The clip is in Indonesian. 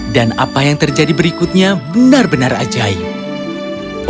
dan apa yang terjadi berikutnya benar benar ajaib